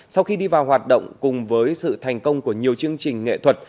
sau khi đi vào hoạt động cùng với sự thành công của nhiều chương trình nghệ thuật